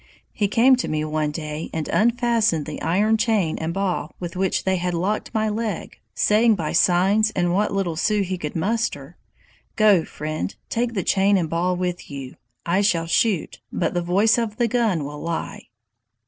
He came to me one day and unfastened the iron chain and ball with which they had locked my leg, saying by signs and what little Sioux he could muster: "'Go, friend! take the chain and ball with you. I shall shoot, but the voice of the gun will lie.